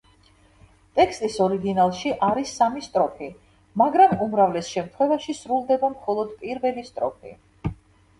ტექსტის ორიგინალში არის სამი სტროფი, მაგრამ უმრავლეს შემთხვევაში სრულდება მხოლოდ პირველი სტროფი.